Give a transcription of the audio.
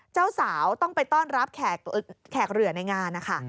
เจ้าสาวต้องไปต้อนรับแขกเหลือในงานนะคะ